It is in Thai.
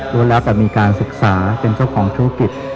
รู้แล้วแต่มีการศึกษาเป็นเจ้าของธุรกิจ